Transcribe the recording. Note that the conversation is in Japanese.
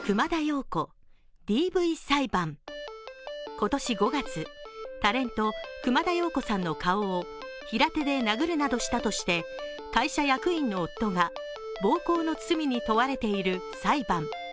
今年５月、タレント・熊田曜子さんの顔を平手で殴るなどしたとして会社役員の夫が暴行の罪に問われている裁判。